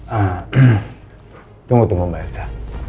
hmm tunggu tunggu mbak elsa